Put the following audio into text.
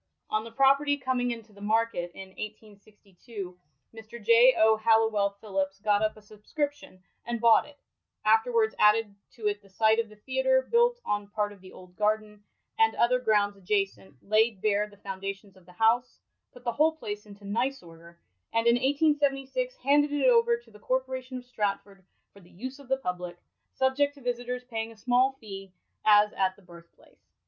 On the property coming 205 HISTORY OF NEW PLACE into the market in 1882, Mr. J. O. Halliwell PhUHpft got up a subscription and bought it, afterwards added to it the site of the theatre built on part of the old garden, and other grounds adjacent, laid bare the foundations of the house, put the whole place into nice order, and in 1876 handed it over to the Corpora tion of Stratford for the use of the public, subject to visitors paying a small fee, as at the Birthplace.